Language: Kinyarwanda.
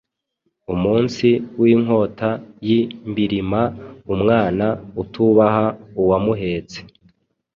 Umunsi w'inkota y'i Mbilima Umwana utubaha uwamuhetse